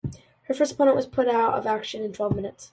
Her first opponent was put out of action in twelve minutes.